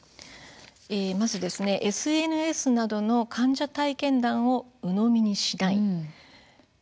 まず、ＳＮＳなどの患者体験談をうのみにしない。